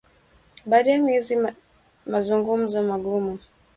Baada ya miezi ya mazungumzo magumu